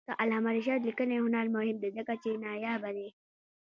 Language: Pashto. د علامه رشاد لیکنی هنر مهم دی ځکه چې نایابه دی.